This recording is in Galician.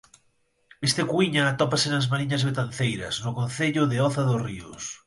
Este Cuíña atópase nas Mariñas betanceiras, no concello de Oza dos Ríos.